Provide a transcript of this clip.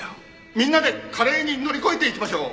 みんなで華麗に乗り越えていきましょう。